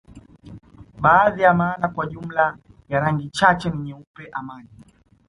Baadhi ya maana kwa jumla ya rangi chache ni nyeupe amani